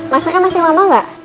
masa kan masih lama gak